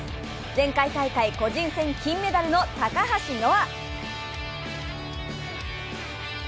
前回大会、個人戦金メダルの高橋乃綾。